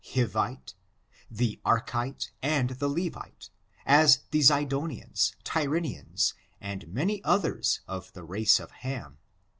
Hivite, the Arkite, and the Levite, as the Zidonians, Tyrians, and many others of the race of Ham.